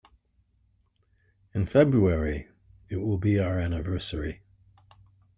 In February it will be our anniversary.